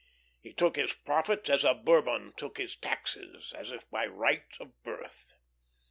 He took his profits as a Bourbon took his taxes, as if by right of birth.